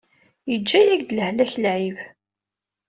Yeǧǧa-yak-d lehlak lɛib.